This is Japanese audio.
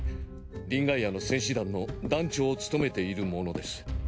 リンガイアの戦士団の団長を務めているものです。